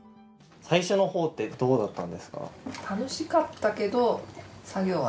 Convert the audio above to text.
最初のほうってどうだったんですか？